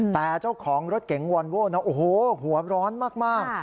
แต่เจ้าของรถเก๋งวอนโว้นะโอ้โหหัวร้อนมาก